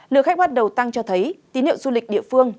lượng khách bắt đầu tăng cho thấy tín hiệu du lịch địa phương